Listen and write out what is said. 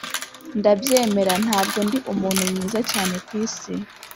ndabyemera, ntabwo ndi umuntu mwiza cyane kwisi.